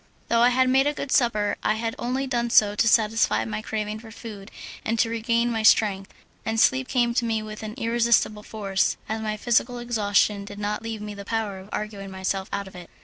Though I had made a good supper I had only done so to satisfy my craving for food and to regain my strength, and sleep came to me with an irresistible force, as my physical exhaustion did not leave me the power of arguing myself out of it.